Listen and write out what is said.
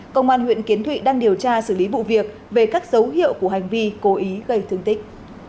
công an huyện kiến thụy đang điều tra xử lý vụ việc về các dấu hiệu của hành vi cố ý gây thương tích